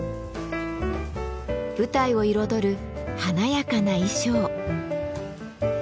舞台を彩る華やかな衣装。